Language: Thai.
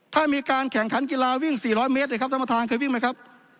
ถ้ามีการแข่งขันกีฬาวิ่ง๔๐๐เมตรเลยครับท่านประธานเคยวิ่งไหมครับ